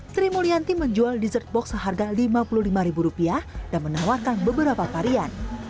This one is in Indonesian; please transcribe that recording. sri mulyanti menjual dessert box seharga lima puluh lima dan menawarkan beberapa varian